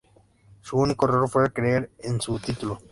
Su único error fue no creer en su título.